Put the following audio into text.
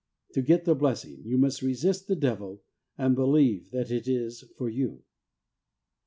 To get the blessing, you must resist the Devil, and believe that it is for you. 4.